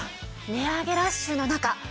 値上げラッシュの中ああ。